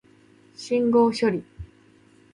信号処理